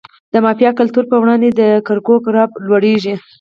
د مافیایي کلتور په وړاندې د کرکو ګراف لوړیږي.